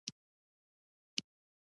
داوطلبانو یو کلب افتتاح کړ.